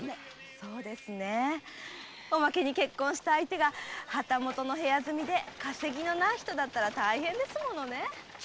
そうですねおまけに結婚した相手が旗本の部屋住みで稼ぎのない人だったら大変ですものね。